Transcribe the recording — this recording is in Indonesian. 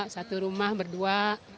satu rumah berdua